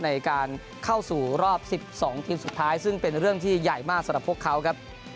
ในการเข้าสู่รอบ๑๒ทีมสุดท้ายซึ่งเป็นเรื่องที่ใหญ่มากสำหรับพวกเขาครับ